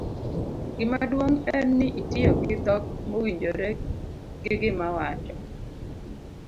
gimaduong' en ni itiyo gi dhok mowinjore gi gima wacho